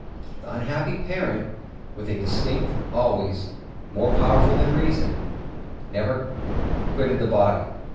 The unhappy parent, with an instinct always more powerful than reason, never quitted the body.